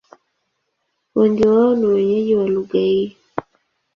Wengi wao ni wenyeji wa lugha hii.